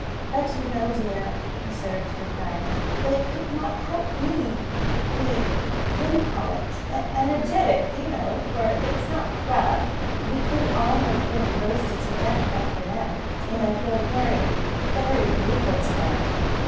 "But you know, dear," persevered her friend, "they could not help being being what d'you call it? energetic, you know, for it was not rough. We should all have been roasted to death but for them, and I feel very, very grateful to them.